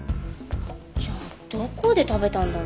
じゃあどこで食べたんだろう？